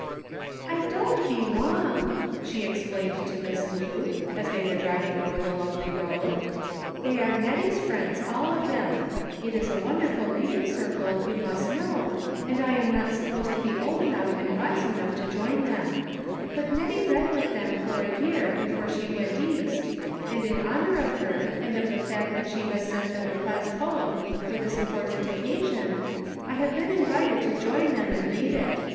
" I don't belong,'' she explained to Miss Lu, as they were driving over the lovely road, " they are Nettie's friends, all of them ; it is a wonderful reading circle, you must know, and I am not sup posed to be old enough and wise enough to join them ; but Nettie read with them for a year, be fore she went East, and in honor of her, and of the fact that she has sent them a class poem for this important occasion, I have been invited to join them and read it.